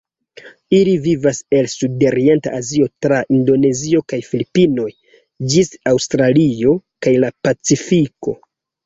Ili vivas el Sudorienta Azio tra Indonezio kaj Filipinoj ĝis Aŭstralio kaj la Pacifiko.